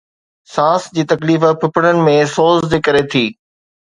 سانس جي تڪليف ڦڦڙن ۾ سوز جي ڪري ٿي